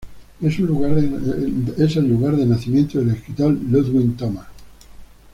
Es el lugar de nacimiento del escritor Ludwig Thoma.